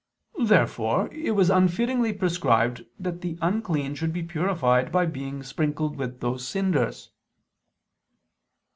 Therefore it was unfittingly prescribed there that the unclean should be purified by being sprinkled with those cinders.